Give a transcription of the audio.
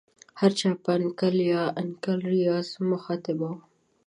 هر چا په انکل یا انکل ریاض مخاطبه وه.